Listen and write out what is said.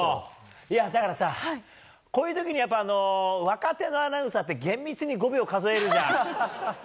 こういう時に若手のアナウンサーって厳密に５秒数えるじゃん。